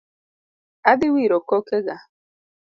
Adhi wiro kokega